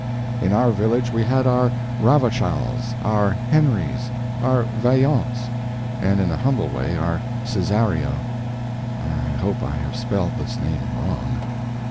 In our village we had our Ravochals, our Henrys, our Vaillants; and in a humble way our Cesario—I hope I have spelled this name wrong.